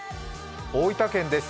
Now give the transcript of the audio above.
大分県です。